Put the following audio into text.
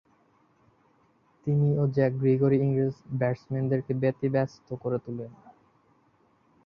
তিনি ও Jack Gregory ইংরেজ ব্যাটসম্যানদেরকে ব্যতিব্যস্ত করে তুলেন।